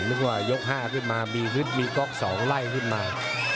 นึกว่ายก๕ขึ้นมามีฮึดมีก๊อก๒ไล่ขึ้นมา